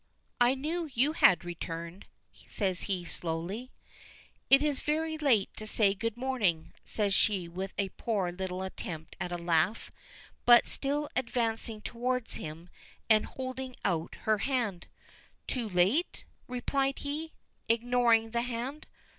I knew you had returned," says he slowly. "It is very late to say good morning," says she with a poor little attempt at a laugh, but still advancing toward him and holding out her hand. "Too late!" replied he, ignoring the hand.